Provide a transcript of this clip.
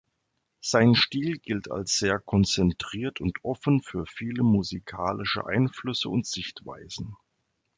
Sein Stil gilt als sehr konzentriert und offen für viele musikalische Einflüsse und Sichtweisen.